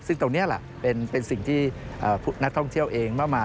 ซึ่งตรงนี้เป็นสิ่งที่นักท่องเที่ยวเองมา